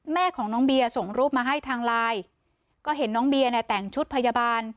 แม่ของน้องเบียร์ส่งรูปมาให้ทางไลน์ก็เห็นน้องเบียร์เนี่ยแต่งชุดพยาบาล